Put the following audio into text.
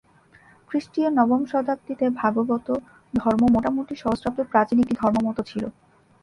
খ্রিস্টীয় নবম শতাব্দীতে ভাগবত ধর্ম মোটামুটি সহস্রাব্দ প্রাচীন একটি ধর্মমত ছিল।